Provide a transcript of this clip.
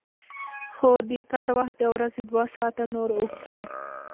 خو د کار وخت د ورځې دوه ساعته نور اوږد شي